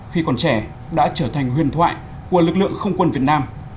khi còn trẻ đã trở thành huyền thoại của lực lượng không quân việt nam